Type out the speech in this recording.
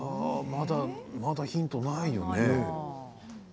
まだヒントないよね。